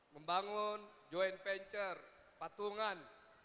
membangun joint venture patungan